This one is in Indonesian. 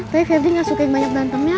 tapi febri gak suka yang banyak berantemnya